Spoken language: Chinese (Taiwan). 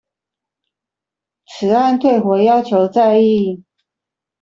此案退回要求再議